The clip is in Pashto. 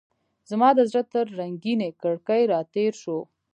زما د زړه تر رنګینې کړکۍ راتیر شو